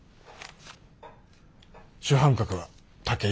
主犯格は武井理沙。